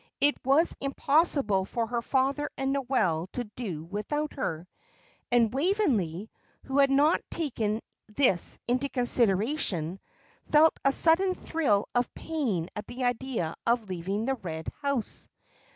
It was impossible for her father and Noel to do without her. And Waveney, who had not taken this into consideration, felt a sudden thrill of pain at the idea of leaving the Red House.